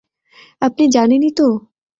আপনি জানেনই তো?